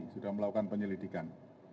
sudah melakukan penyelidikan